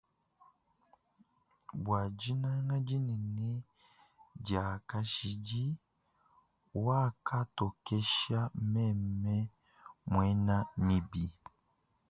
Bwa dinanga dinene dia kashidi wakantokesha meme mwena mibi.